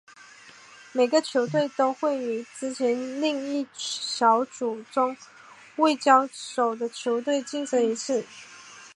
每个球队都会与之前另一小组中未交手的球队竞争一次。